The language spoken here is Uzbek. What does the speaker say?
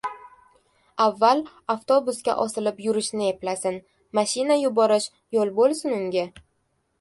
— Avval avtobusga osilib yurishni eplasin! Mashina yuborish yo’l bo‘lsin unga!